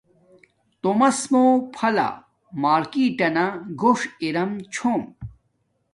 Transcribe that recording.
تومس مُو پھلہ مارکٹا نہ گوݽ ارم چھوم